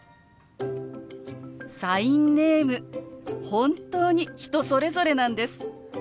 本当に人それぞれなんです。